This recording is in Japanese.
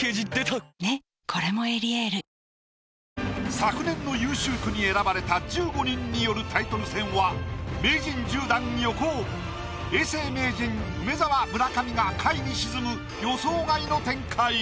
昨年の優秀句に選ばれた１５人によるタイトル戦は名人１０段横尾永世名人梅沢村上が下位に沈む予想外の展開。